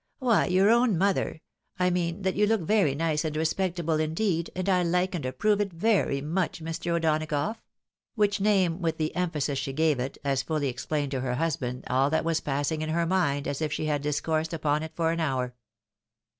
Why, your own mother — ^I mean EECIPROCAL COMPLIMENTS. 103 that you look very nice and respectable indeed, and I like and approve it very much, Mr. O'Donagough ;"— which name, with the emphasis she then gave it, as fully explained to her husband all that was passing in her mind, as if she had discoursed upon it for an hour.